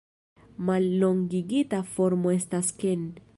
Mallongigita formo estas Ken.